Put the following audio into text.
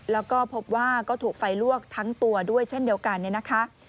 แล้วก็พบว่าก็ถูกไฟลวกทั้งตัวด้วยเช่นเดียวกันเนี่ยนะคะ